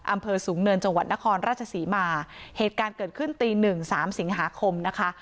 อำเภอสูงเนินจังหวัดนครราชศรีมาเหตุการณ์เกิดขึ้นตีหนึ่งสามสิงหาคมนะคะ